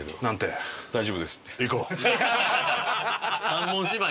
三文芝居。